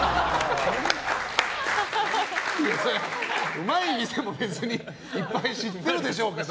うまい店も別にいっぱい知ってるでしょうけど。